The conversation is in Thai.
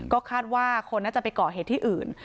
ก็คาดว่าคนน่าจะไปก่อเหตุที่อื่น